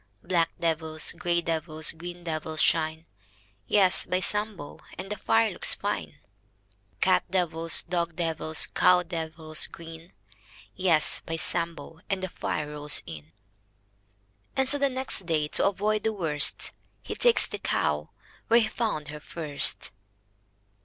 Black devils, grey devils, green devils shine — Yes, by Sambo, And the fire looks fine! Cat devils, dog devils, cow devils grin — Yes, by Sambo, And the fire rolls in. 870911 100 VACHEL LINDSAY And so, next day, to avoid the worst — He ta'kes that cow Where he found her first.